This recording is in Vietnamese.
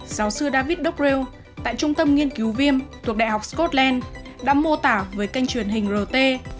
giáo sư david dockrell tại trung tâm nghiên cứu viêm thuộc đại học scotland đã mô tả về cây truyền hình rt